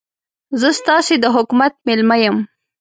زه ستاسې د حکومت مېلمه یم.